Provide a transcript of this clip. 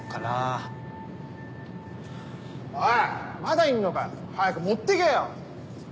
まだいんのかよ早く持ってけよ！